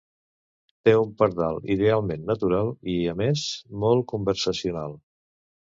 Té un pardal idealment natural i, a més, molt conversacional.